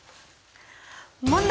問題！